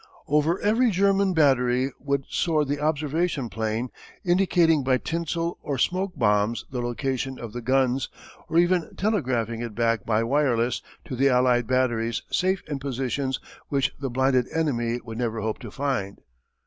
Over every German battery would soar the observation plane indicating by tinsel or smoke bombs the location of the guns, or even telegraphing it back by wireless to the Allied batteries safe in positions which the blinded enemy could never hope to find.